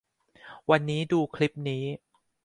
วันนี้ดูคลิปนี้